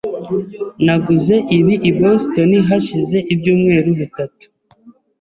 Naguze ibi i Boston hashize ibyumweru bitatu .